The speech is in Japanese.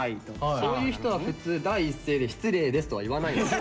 そういう人は普通第一声で「失礼です」とは言わないんですよ。